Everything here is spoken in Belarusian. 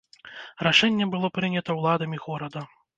Рашэнне было прынята ўладамі горада.